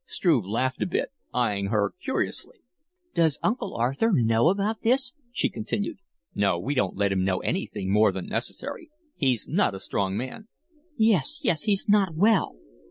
Struve laughed a bit, eying her curiously. "Does Uncle Arthur know about this?" she continued. "No, we don't let him know anything more than necessary; he's not a strong man." "Yes, yes. He's not well."